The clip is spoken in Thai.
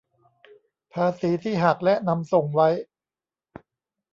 ภาษีที่หักและนำส่งไว้